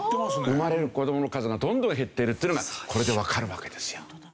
生まれる子どもの数がどんどん減っているというのがこれでわかるわけですよ。